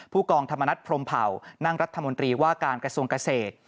กองธรรมนัฐพรมเผ่านั่งรัฐมนตรีว่าการกระทรวงเกษตร